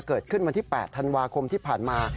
เกิดขึ้นวันที่๘ธันวาคมที่ผ่านมา